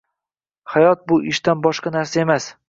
Hayot bu ishdan boshqa narsa emas